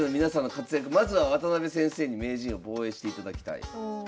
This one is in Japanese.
まずは渡辺先生に名人を防衛していただきたい。